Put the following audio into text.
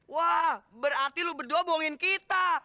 wah berarti lu berdua bohongin kita